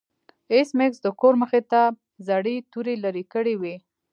ایس میکس د کور مخې ته زړې توري لرې کړې وې